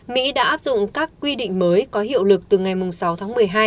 mỹ đã áp dụng các quy định mới có hiệu lực từ ngày sáu tháng một mươi hai